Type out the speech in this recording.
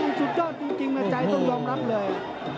ออสุดยอดจริงจริงโ้ยใจจนต้องยอมรับเลย